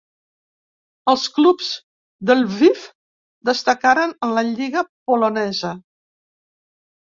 Els clubs de Lviv destacaren a la lliga polonesa.